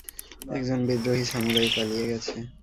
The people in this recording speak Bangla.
একজন বিদ্রোহী সামুরাই পালিয়ে গেছে!